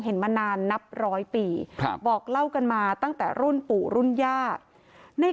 มานานนับร้อยปีครับบอกเล่ากันมาตั้งแต่รุ่นปู่รุ่นย่าใน